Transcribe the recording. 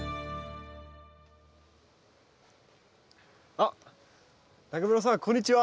あっ永村さんこんにちは。